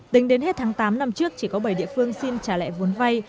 tính đến hết tháng tám năm trước chỉ có bảy địa phương xin trả lại vốn vay